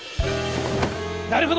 なるほど！